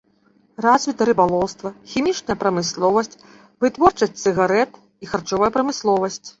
Развіта рыбалоўства, хімічная прамысловасць, вытворчасць цыгарэт і харчовая прамысловасць.